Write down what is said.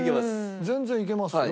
全然いけますよ。